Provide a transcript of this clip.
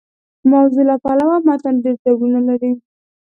د موضوع له پلوه متن ډېر ډولونه لري.